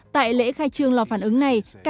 tại lễ khai trương lò phản ứng này